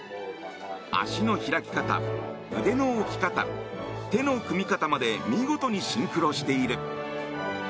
足の開き方、腕の置き方手の組み方まで見事にシンクロしている。